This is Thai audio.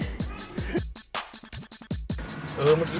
เชฟลืมบอกเนี่ย